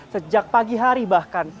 sejak pagi hari bahkan